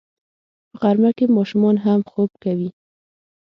په غرمه کې ماشومان هم خوب کوي